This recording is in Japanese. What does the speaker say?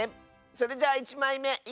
それじゃ１まいめいくよ！